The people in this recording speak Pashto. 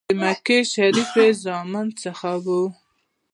د مکې شریف زامنو څخه وو.